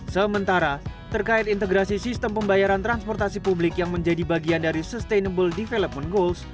sementara terkait integrasi sistem pembayaran transportasi publik yang menjadi bagian dari sustainable development goals